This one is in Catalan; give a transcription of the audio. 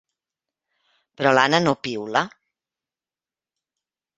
Però l'Anna no piula.